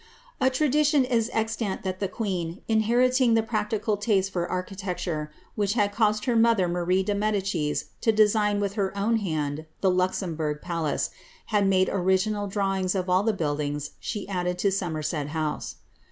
A tradition w extant that the queen, inheriting the practical taste fbr :faitectare, which had caused her mother Marie de Medicis to design Ih her own hand the Luxemburgh palace, had made original drawings all the buildings she added to Somerset House.